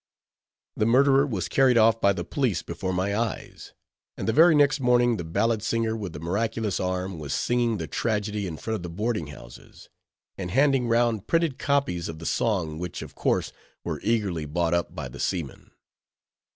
The murderer was carried off by the police before my eyes, and the very next morning the ballad singer with the miraculous arm, was singing the tragedy in front of the boarding houses, and handing round printed copies of the song, which, of course, were eagerly bought up by the seamen.